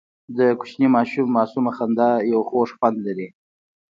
د کوچني ماشوم معصومه خندا یو خوږ خوند لري.